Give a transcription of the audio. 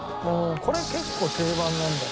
これ結構定番なんだよな。